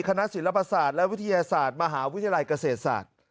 คณะศิลปศาสตร์และวิทยาศาสตร์มหาวิทยาลัยเกษตรศาสตร์